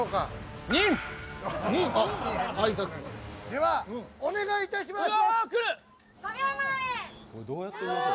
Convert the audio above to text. ではお願いいたします。